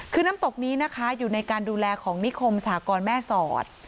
คือน้ำตกนี้นะคะอยู่ในการดูแลของนิคมสหกรแม่สอด